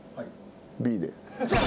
Ｂで。